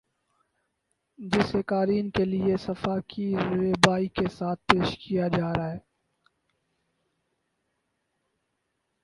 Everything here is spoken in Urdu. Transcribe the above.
جسے قارئین کے لیے صفحہ کی زیبائی کے ساتھ پیش کیا جارہاہے